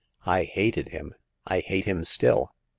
I hated him. I hate him still